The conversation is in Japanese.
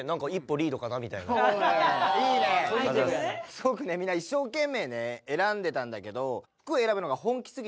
すごくねみんな一生懸命ね選んでたんだけど。